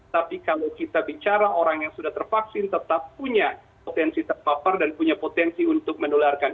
tapi kalau kita bicara orang yang sudah tervaksin tetap punya potensi terpapar dan punya potensi untuk menularkan